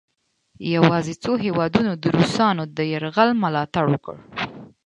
یواځې څو هیوادونو د روسانو د یرغل ملا تړ وکړ.